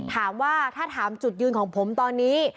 ถ้าถามจุดยืนของผมตอนนี้